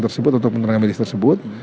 tersebut atau penerangan medis tersebut